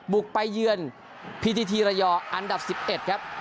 บุกไปเยือนพีทีทีระยองอันดับ๑๑ครับ